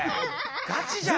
ガチじゃんか。